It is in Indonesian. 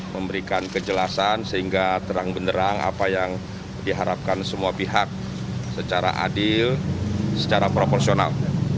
memberikan kejelasan sehingga terang benderang apa yang diharapkan semua pihak secara adil secara proporsional